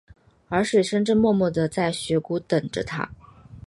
而水笙正默默地在雪谷等着他。